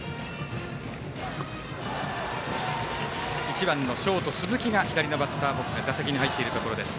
１番のショート、鈴木が左の打席に入っているところです。